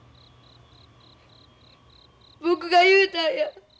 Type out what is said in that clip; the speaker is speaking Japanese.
僕が言うたんや。